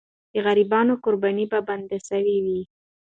د غریبانو قرباني به بنده سوې وي.